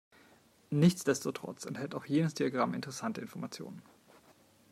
Nichtsdestotrotz enthält auch jenes Diagramm interessante Informationen.